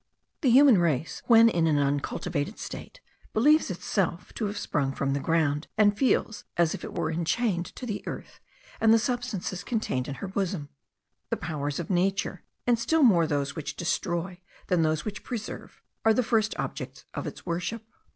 The human race, when in an uncultivated state, believes itself to have sprung from the ground; and feels as if it were enchained to the earth, and the substances contained in her bosom. The powers of nature, and still more those which destroy than those which preserve, are the first objects of its worship.